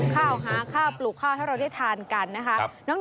ข้าวหาข้าวปลูกข้าวให้เราได้ทานกันนะคะ